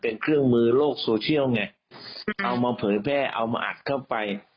เป็นเครื่องมือโลกโซเชียลไงเอามาเผยแพร่เอามาอัดเข้าไป